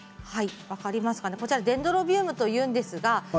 デンドロビウムといいます。